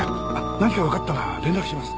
何かわかったら連絡します。